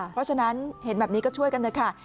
เพราะฉะนั้นเห็นแบบนี้ก็ช่วยกันเถอะค่ะ